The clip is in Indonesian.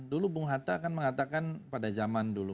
dulu bung hatta akan mengatakan pada zaman dulu